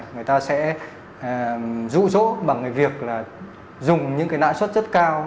người ta sẽ rủ rỗ bằng việc dùng những nã xuất rất cao